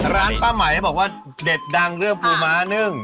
ร้านป้าไหมบอกว่าเด็ดดังเรื่องปูม้านึ่ง